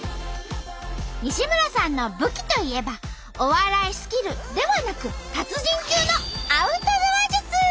西村さんの武器といえばお笑いスキルではなく達人級のアウトドア術！